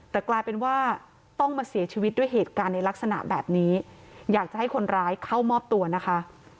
แต่กลายเป็นว่าต้องมาเสียชีวิตด้วยเหตุการณ์ในลักษณะแบบนี้อยากจะให้คนร้ายเข้ามอบตัวนะคะ